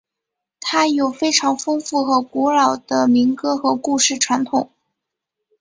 它有非常丰富和古老的民歌和故事传统。